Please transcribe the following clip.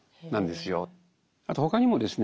あと他にもですね